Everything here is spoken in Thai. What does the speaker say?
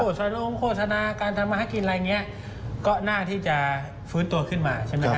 โฆษณโลงโฆษณาการธรรมหากิจอะไรเงี้ยก็น่าที่จะฟื้นตัวขึ้นมาใช่มั้ยครับ